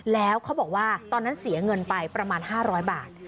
แล้วเขาบอกว่าตอนนั้นเสียเงินไปประมาณ๕๐๐บาท